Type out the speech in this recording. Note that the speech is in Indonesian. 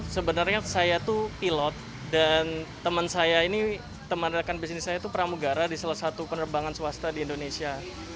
sebenarnya saya tuh pilot dan teman saya ini teman rekan bisnis saya itu pramugara di salah satu penerbangan swasta di indonesia